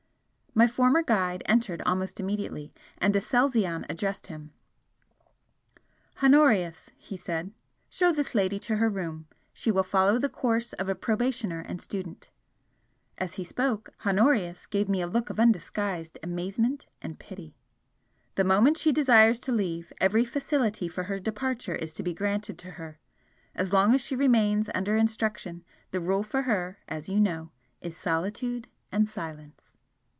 My former guide entered almost immediately, and Aselzion addressed him: "Honorius," he said "show this lady to her room, She will follow the course of a probationer and student" as he spoke, Honorius gave me a look of undisguised amazement and pity "The moment she desires to leave, every facility for her departure is to be granted to her. As long as she remains under instruction the rule for her, as you know, is solitude and silence."